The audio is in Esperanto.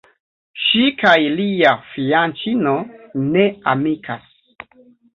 Ŝi kaj lia fianĉino ne amikas.